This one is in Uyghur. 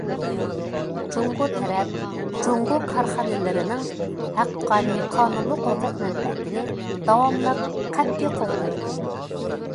جۇڭگو تەرەپ جۇڭگو كارخانىلىرىنىڭ ھەققانىي قانۇنلۇق ھوقۇق- مەنپەئەتىنى داۋاملىق قەتئىي قوغدايدۇ.